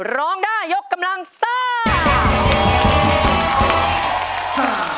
ร้องได้ยกกำลังซ่า